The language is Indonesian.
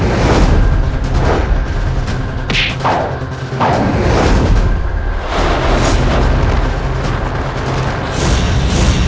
aku seperti mengenal jurus ini